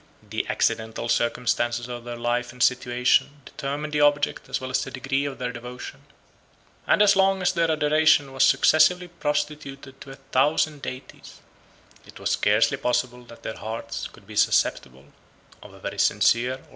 The accidental circumstances of their life and situation determined the object as well as the degree of their devotion; and as long as their adoration was successively prostituted to a thousand deities, it was scarcely possible that their hearts could be susceptible of a very sincere or lively passion for any of them.